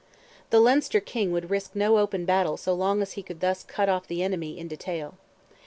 The Leinster King would risk no open battle so long as he could thus cut off the enemy in detail.